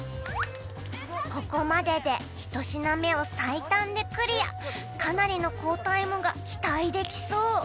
「ここまでで１品目を最短でクリア」「かなりの好タイムが期待できそう」